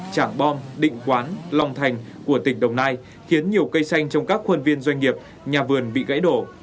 trảng bom định quán long thành của tỉnh đồng nai khiến nhiều cây xanh trong các khuôn viên doanh nghiệp nhà vườn bị gãy đổ